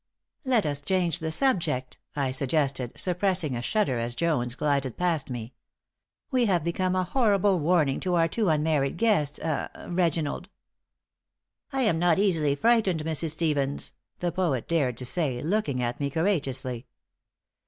"Let us change the subject," I suggested, suppressing a shudder as Jones glided past me. "We have become a horrible warning to our two unmarried guests ah Reginald." "I am not easily frightened, Mrs. Stevens," the poet dared to say, looking at me courageously.